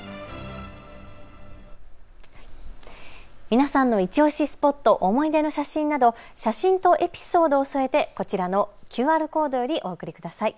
皆さんのいちオシスポット、思い出の写真など写真とエピソードを添えてこちらのＱＲコードよりお送りください。